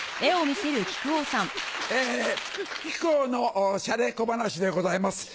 え木久扇のシャレ小噺でございます。